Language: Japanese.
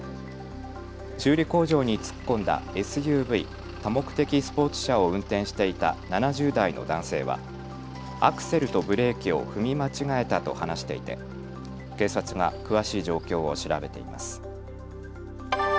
修理工場に突っ込んだＳＵＶ・多目的スポーツ車を運転していた７０代の男性はアクセルとブレーキを踏み間違えたと話していて警察が詳しい状況を調べています。